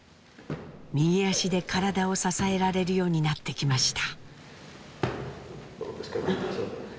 右足で体を支えられるようになってきました。